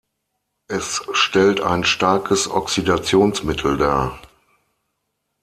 Es stellt ein starkes Oxidationsmittel dar.